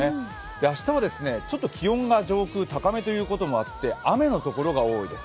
明日は、気温が上空高めということもあって雨のところが多いです。